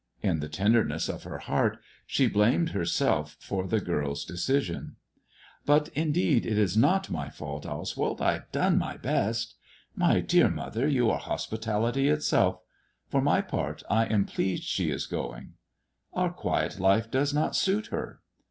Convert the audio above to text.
In the tenderness of her heart she blamed herself for the girl's decision. " But, indeed, it is not nky fault, Oswald. X have done my best." " My dear mother, you are hospitality itself. For my part, I am pleased she is going." I " Our quiet life does not suit her."